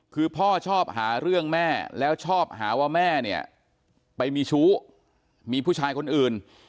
คือพ่อชอบหาเรื่องแม่แล้วชอบหาว่าแม่เนี่ยไปมีชู้มีผู้ชายคนอื่น